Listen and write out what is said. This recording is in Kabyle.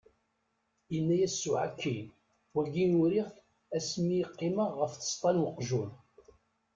Yenna-as s uɛekki, wagi uriɣ-t asmi qqimeɣ ɣef tseṭṭa n weqjun.